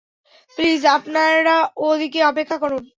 Please, আপনারা ওদিকে অপেক্ষা করুন।